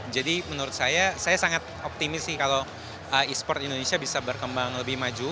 jadi menurut saya saya sangat optimis sih kalau esport indonesia bisa berkembang lebih maju